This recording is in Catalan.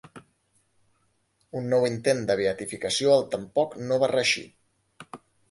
Un nou intent de beatificació al tampoc no va reeixir.